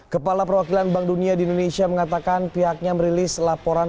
kepala perwakilan bank dunia di indonesia mengatakan pihaknya merilis laporan